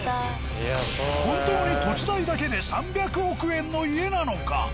本当に土地代だけで３００億円の家なのか。